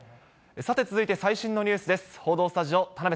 さて、続いて最新のニュースです。